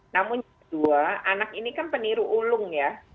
namun yang kedua anak ini kan peniru ulung ya